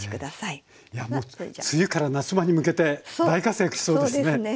いやもう梅雨から夏場に向けて大活躍しそうですね。